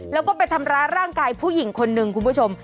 แล้วก็ไปทำร้ายร่างกายผู้หญิงคนหนึ่งคุณผู้ชม